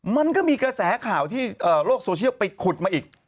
มันก็มีกระแสข่าวที่โลกโซเชียลไปขุดมาอีก